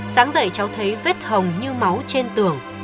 sáng dậy cháu thấy vết hồng như máu trên tường